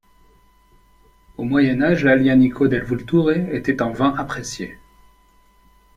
Au Moyen Âge, l'Aglianico del Vulture était un vin apprécié.